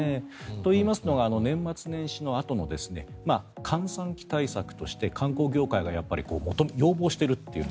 といいますのが年末年始のあとの閑散期対策として観光業界が要望しているという。